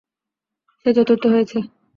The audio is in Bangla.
সে চতুর্থ হয়েছে।